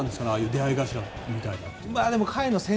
出合い頭みたいなのは。